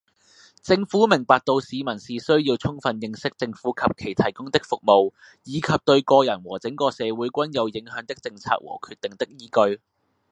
政府明白到市民是需要充分認識政府及其提供的服務，以及對個人和整個社會均有影響的政策和決定的依據